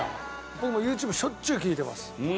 僕もＹｏｕＴｕｂｅしょっちゅう聴いてます。